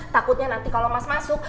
takutnya nanti kalau mas masuk